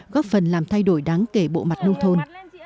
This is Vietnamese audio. góp phần làm thay đổi đáng kể bộ mặt nông thôn